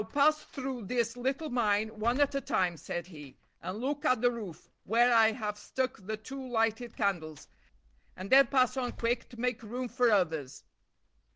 "Now, pass through this little mine one at a time," said he, "and look at the roof, where I have stuck the two lighted candles, and then pass on quick to make room for others."